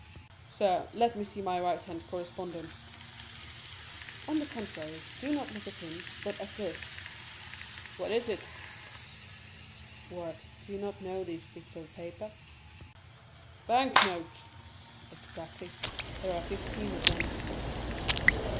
"Sir, let me see my right hand correspondent." "On the contrary, do not look at him, but at this." "What is it?" "What? Do you not know these bits of paper?" "Bank notes!" "Exactly; there are fifteen of them."